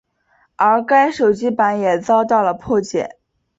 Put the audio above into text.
而该手机版也遭到了破解。